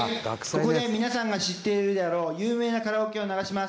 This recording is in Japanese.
ここで皆さんが知っているであろう有名なカラオケを流します。